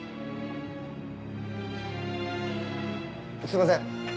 すいません。